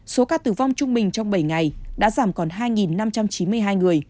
số ca tử vong trung bình trong bảy ngày đã giảm còn hai năm trăm chín mươi ba